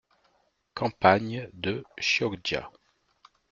- Campagne de Chioggia.